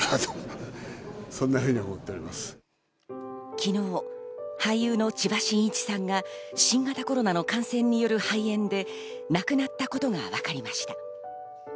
昨日、俳優の千葉真一さんが新型コロナの感染による肺炎で亡くなったことがわかりました。